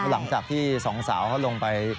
หลังจากที่สองสาวเขาลงไป